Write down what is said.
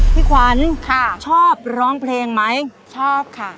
พี่ขวัญชอบร้องเพลงไหมชอบค่ะ